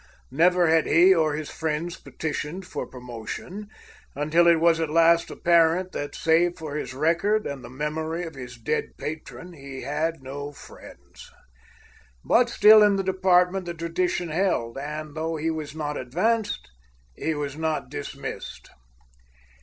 Never had he or his friends petitioned for promotion, until it was at last apparent that, save for his record and the memory of his dead patron, he had no friends. But, still in the department the tradition held and, though he was not advanced, he was not dismissed.